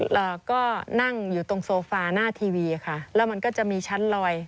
แล้วก็นั่งอยู่ตรงโซฟาหน้าทีวีค่ะแล้วมันก็จะมีชั้นลอย